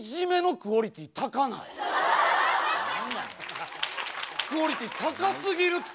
クオリティー高すぎるって。